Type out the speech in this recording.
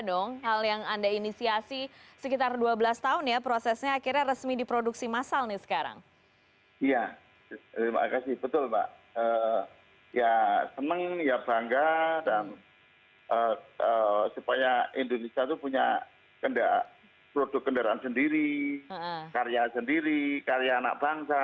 dan supaya indonesia itu punya produk kendaraan sendiri karya sendiri karya anak bangsa